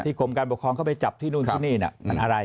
กรมการปกครองเข้าไปจับที่นู่นที่นี่มันอะไร